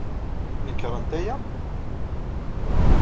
Nekṛent aya?